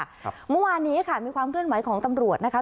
เมื่อวานนี้ค่ะมีความเคลื่อนไหวของตำรวจนะคะ